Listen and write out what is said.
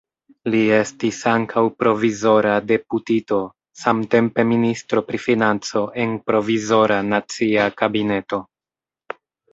Li estis ankaŭ provizora deputito, samtempe ministro pri financo en Provizora Nacia Kabineto.